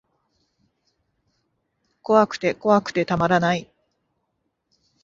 怖くて怖くてたまらない